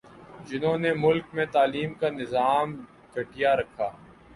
جہنوں نے ملک میں تعلیم کا نظام گٹھیا رکھا